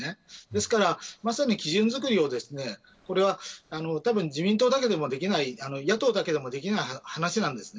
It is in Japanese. ですから、まさに基準作りをこれは自民党だけではできない野党だけでもできない話なんです。